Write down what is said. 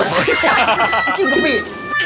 ไม่กินกรมปลี